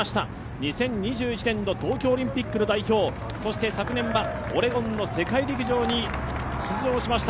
２０２１年度、東京オリンピックの代表そして昨年はオレゴンの世界陸上に出場しました。